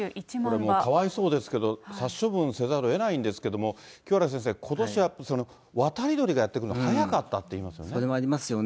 これもかわいそうですけど、殺処分せざるをえないんですけれども、清原先生、ことしは渡り鳥がやって来るの、早かったって言それもありますよね。